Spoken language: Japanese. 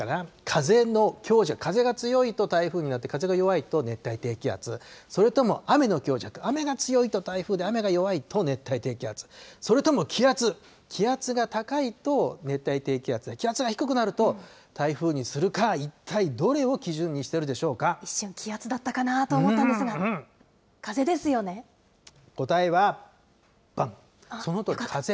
風の強弱、風が強いと台風になって、風が弱いと熱帯低気圧、それとも雨の強弱、雨が強いと台風で雨が弱いと熱帯低気圧、それとも気圧、気圧が高いと熱帯低気圧、気圧が低いと、台風にするか、いったいどれを基準にしてるでしょ一瞬、気圧だったかなと思い答えはばん、そのとおり、風。